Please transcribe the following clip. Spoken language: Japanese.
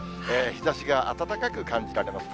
日ざしが暖かく感じられます。